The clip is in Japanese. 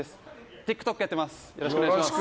ＴｉｋＴｏｋやってます。